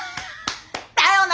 だよな！